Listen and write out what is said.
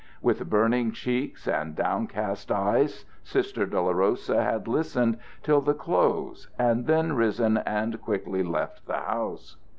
With burning cheeks and downcast eyes Sister Dolorosa had listened till the close and then risen and quickly left the house.